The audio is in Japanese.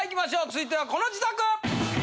続いてはこの自宅！